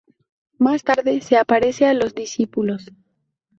Más tarde, se aparece a los discípulos.